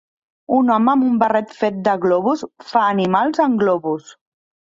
Un home amb un barret fet de globus fa animals amb globus.